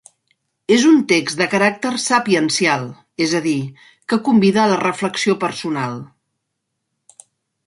És un text de caràcter sapiencial, és a dir, que convida a la reflexió personal.